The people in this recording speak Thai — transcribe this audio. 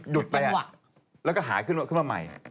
คือแล้วมันหายขึ้นมาใหม่